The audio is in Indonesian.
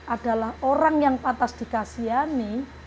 adalah orang yang atas dikasih ini